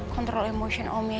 kontrol emosi om ya